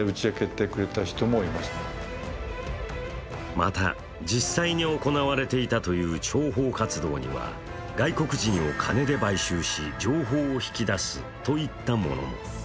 また実際に行われていたという諜報活動には外国人を金で買収し情報を引き出すといったものも。